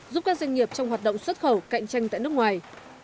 giúp các doanh nghiệp trong hoạt động xuất khẩu cạnh tranh tại nước ngoài